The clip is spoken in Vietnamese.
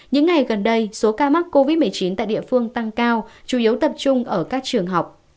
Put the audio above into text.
những ngày gần đây số ca mắc covid một mươi chín tại địa phương tăng cao chủ yếu tập trung ở các trường học